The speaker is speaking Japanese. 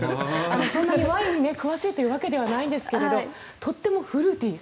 そんなにワインに詳しいというわけではないんですがとてもフルーティー。